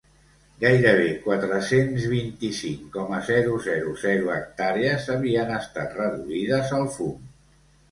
Gairebé quatre-cents vint-i-cinc coma zero zero zero hectàrees havien estat reduïdes al fum.